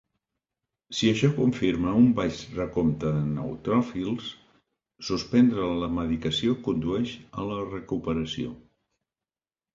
Si això confirma un baix recompte de neutròfils, suspendre la medicació condueix a la recuperació.